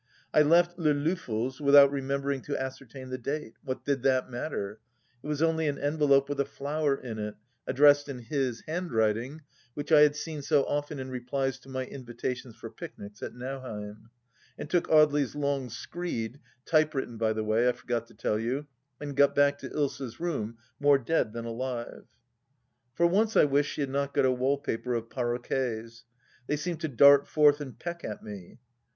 I left Le Loffel's — without remembering to ascertain the date ; what did that matter ?— ^it was only an envelope with a flower in it — addressed in his handwriting which I had seen so often in replies to my invitations for picnics at Nauheim — and took Audely's long screed — ^typewritten, by the way, I forgot to tell you — and got back to Ilsa's room more dead than alive. For once I wished she had not got a wallpaper of paro quets ; they seemed to dart forth and peck at me.